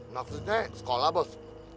maksudnya sekolah bos